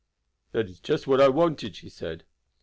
"That is just what I wanted," she said.